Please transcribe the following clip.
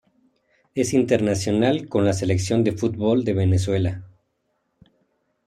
Es internacional con la selección de fútbol de Venezuela.